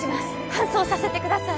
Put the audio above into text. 搬送させてください